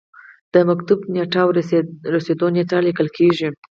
د مکتوب نیټه او رسیدو نیټه لیکل کیږي.